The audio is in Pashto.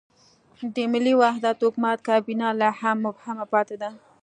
د ملي وحدت حکومت کابینه لا هم مبهمه پاتې ده.